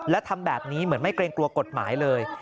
และทำแบบนี้เหมือนไม่เกรงกลัวกฎหมายเลย